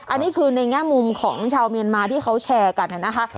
อันนี้คือในแง่มุมของชาวเมียนมาที่เขาแชร์กันนะคะ